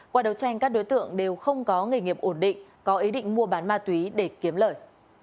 qua đấu tranh các đối tượng đều không có nghề nghiệp ổn định có ý định mua bán ma túy để kiếm lời